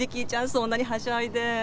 そんなにはしゃいで。